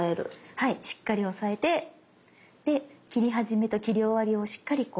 はいしっかり押さえてで切り始めと切り終わりをしっかりこう。